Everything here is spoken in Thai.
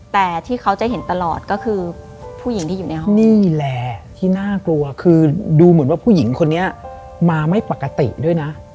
แต่ที่เขาจะเห็นตลอดก็คือผู้หญิงที่อยู่ในห้องนี่แหละที่น่ากลัวคือดูเหมือนว่าผู้หญิงคนนี้มาไม่ปกติด้วยนะ